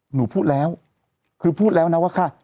หนูพูดแล้วคือพูดแล้วนะว่าค่ะ